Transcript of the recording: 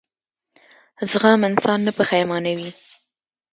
زغم انسان نه پښېمانوي.